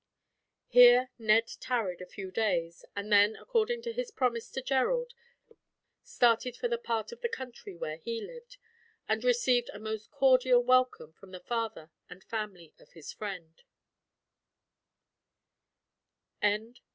Here Ned tarried a few days, and then, according to his promise to Gerald, started for the part of the country where he lived, and received a most cordial welcome from the father and family of his friend.